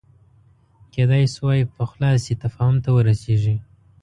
کېدای شوای پخلا شي تفاهم ته ورسېږي